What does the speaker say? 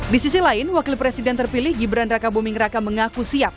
di sisi lain wakil presiden terpilih gibran raka buming raka mengaku siap